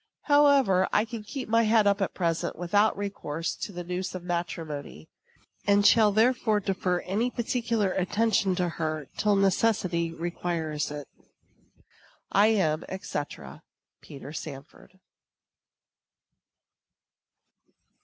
However, I can keep my head up at present without recourse to the noose of matrimony, and shall therefore defer any particular attention to her till necessity requires it. I am, &c., PETER SANFORD. LETTER XXXVIII. TO MRS.